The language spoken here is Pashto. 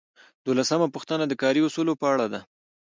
دولسمه پوښتنه د کاري اصولو په اړه ده.